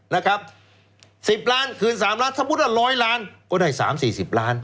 นะครับสิบล้านคืนสามล้านสมมุติว่าร้อยล้านก็ได้สามสี่สิบล้าน